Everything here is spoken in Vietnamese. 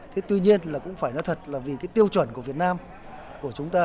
thế tuy nhiên là cũng phải nói thật là vì cái tiêu chuẩn của việt nam của chúng ta